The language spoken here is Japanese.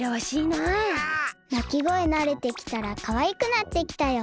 なきごえなれてきたらかわいくなってきたよ。